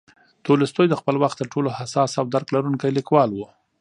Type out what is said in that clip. تولستوی د خپل وخت تر ټولو حساس او درک لرونکی لیکوال و.